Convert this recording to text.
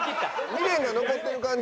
未練が残ってる感じ。